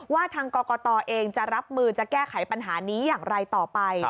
ว่าทางกรกตเองจะรับมือจะแก้ไขปัญหานี้อย่างไรต่อไป